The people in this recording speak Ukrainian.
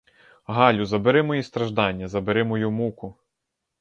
Галю, забери мої страждання, забери мою муку.